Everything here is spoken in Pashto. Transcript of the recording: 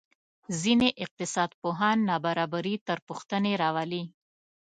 ځینې اقتصادپوهان نابرابري تر پوښتنې راولي.